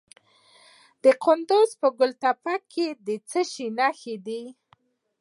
د کندز په ګل تپه کې د څه شي نښې دي؟